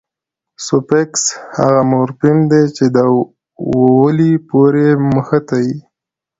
سوفیکس هغه مورفیم دئ، چي د ولي پوري مښتي يي.